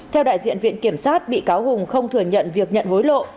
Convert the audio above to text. theo đại diện viện kiểm sát bị cáo hùng không thừa nhận việc nhận hối lộ